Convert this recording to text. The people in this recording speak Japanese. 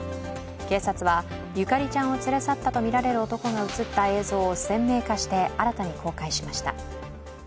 警察はゆかりちゃんを連れ去ったとみられる男が映った映像を鮮明化して、新たに公開しました。